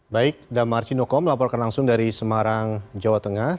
baik damar sinokom laporkan langsung dari semarang jawa tengah